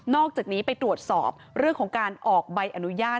อกจากนี้ไปตรวจสอบเรื่องของการออกใบอนุญาต